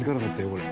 これ。